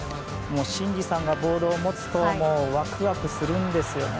伸二さんがボールを持つとワクワクするんですよね。